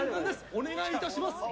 お願いいたします。